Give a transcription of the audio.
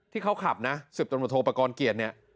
ที่เขาขับน่ะสืบตำรวจโทรประกอลเกียจเนี้ย